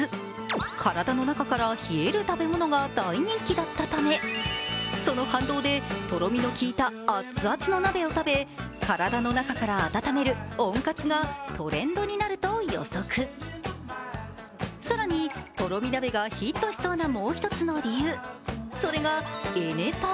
体の中から冷える食べ物が大人気だったためその反動で、とろみの効いた熱々の鍋を食べ体の中から温める温活がトレンドになると予測更にとろみ鍋がヒットしそうなもう一つの理由それがエネパ。